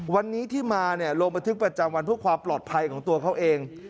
วันนี้ที่มาลงบันทึกประจำวันเพื่อความปลอดภัยของตัวเขาเอง